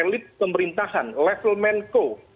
bahkan elit pemerintahan level menco